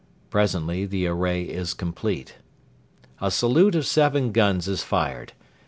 Presently the array is complete. A salute of seven guns is fired.